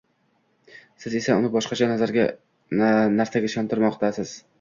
siz esa uni boshqa narsaga ishontirmoqdasiz.